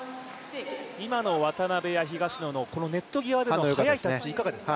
今の渡辺や東野のネット際での速いタッチはいかがですか。